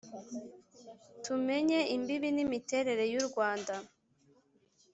tumenye imbibi n'imiterere y'u rwanda